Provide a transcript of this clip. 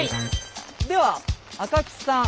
では赤木さん